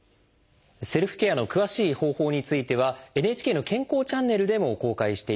セルフケアの詳しい方法についてはＮＨＫの「健康チャンネル」でも公開しています。